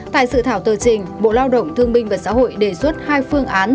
tại sự thảo tờ trình bộ lao động thương minh và xã hội đề xuất hai phương án